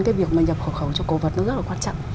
cái việc mà nhập khẩu cho cổ vật nó rất là quan trọng